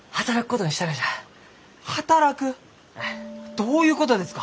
どういうことですか？